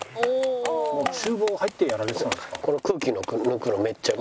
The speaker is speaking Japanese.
厨房入ってやられてたんですか？